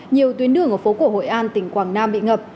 nhiều tuyến đường ở phố cổ hội an tỉnh quảng nam bị ngập